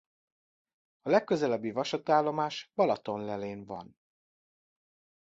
A legközelebbi vasútállomás Balatonlellén van.